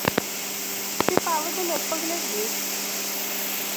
Цікава было б паглядзець.